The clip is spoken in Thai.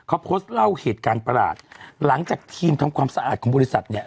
เขาโพสต์เล่าเหตุการณ์ประหลาดหลังจากทีมทำความสะอาดของบริษัทเนี่ย